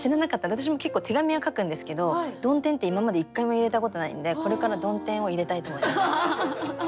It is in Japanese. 私も結構手紙は書くんですけど「曇天」って今まで一回も入れたことないんでこれから「曇天」を入れたいと思います。